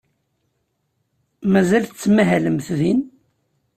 Mazal tettmahalemt din?